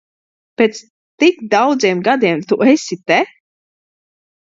Pēc tik daudziem gadiem tu esi te?